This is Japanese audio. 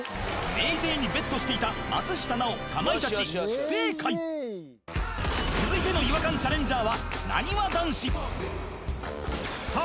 Ｂｅｔしていた松下奈緒かまいたち不正解続いての違和感チャレンジャーはなにわ男子さあ